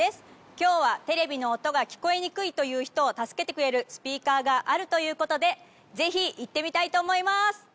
今日はテレビの音が聞こえにくいという人を助けてくれるスピーカーがあるということでぜひ行ってみたいと思います。